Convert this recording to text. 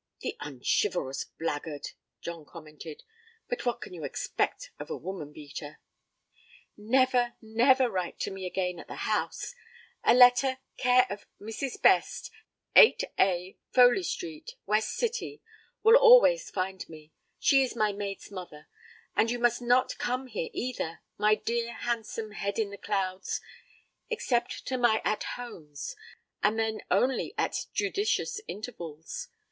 (The unchivalrous blackguard,' John commented. 'But what can be expected of a woman beater?') Never, never write to me again at the house. A letter, care of Mrs. Best, 8A Foley Street, W.C., will always find me. She is my maid's mother. And you must not come here either, my dear handsome head in the clouds, except to my 'At Homes', and then only at judicious intervals.